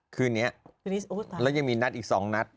คืนนี้แล้วยังมีนัดอีก๒นัด